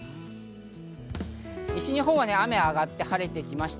西日本は雨が上がって晴れてきました。